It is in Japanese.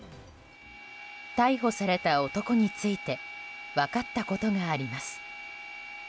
逮捕された男について分かったことがあります。